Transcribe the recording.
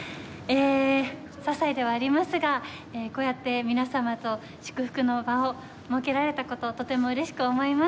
ささいではありますがこうやって皆様と祝福の場を設けられた事とても嬉しく思います。